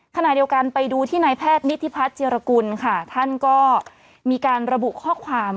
ขณะเดียวกันไปดูที่นายแพทย์นิธิพัฒน์เจรกุลค่ะท่านก็มีการระบุข้อความ